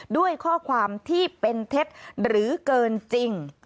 ด้วยข้อความที่เป็นเท็จหรือเกินจริง